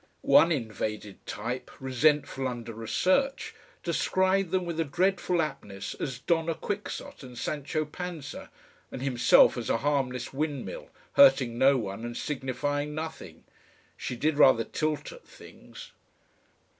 One invaded type, resentful under research, described them with a dreadful aptness as Donna Quixote and Sancho Panza and himself as a harmless windmill, hurting no one and signifying nothing. She did rather tilt at things.